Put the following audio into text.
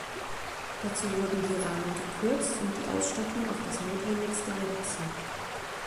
Dazu wurden die Rahmen gekürzt und die Ausstattung auf das Notwendigste reduziert.